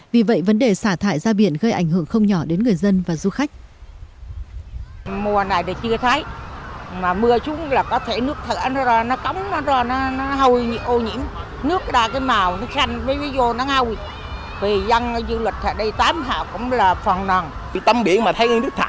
vì vậy vấn đề xả thải ra biển gây ảnh hưởng không nhỏ đến người dân và du khách